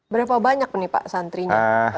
berapa banyak nih pak santrinya